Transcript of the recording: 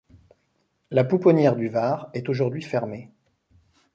La pouponnière du Var est aujourd'hui fermée.